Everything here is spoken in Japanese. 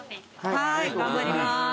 はい頑張ります。